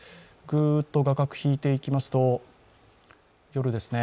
ぐーっと画角引いていきますと、夜ですね